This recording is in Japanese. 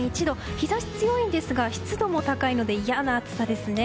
日差し強いんですが湿度も高いので嫌な暑さですね。